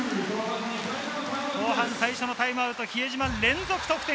後半最初のタイムアウト、比江島が連続得点。